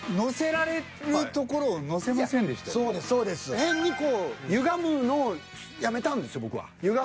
変にこうゆがむのをやめたんですよ僕は。